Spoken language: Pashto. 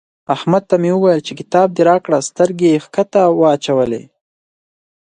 احمد ته مې وويل چې کتاب دې راکړه؛ سترګې يې کښته واچولې.